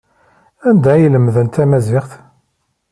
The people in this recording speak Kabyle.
Anda ay lemdent tamaziɣt?